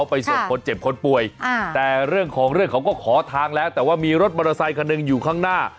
ไปส่งคนเจ็บคนป่วยอ่าแต่เรื่องของเรื่องเขาก็ขอทางแล้วแต่ว่ามีรถมอเตอร์ไซคันหนึ่งอยู่ข้างหน้า